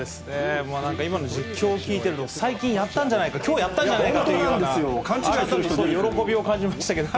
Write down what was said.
なんか、今の実況を聞いていると、最近やったんじゃないか、きょうやったんじゃないかというような、改めて喜びを感じましたけれども。